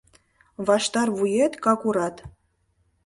Ваштар вует кагурат.